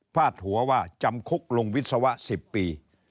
พาดหัวว่าจำคุกลุงวิศวะ๑๐ปี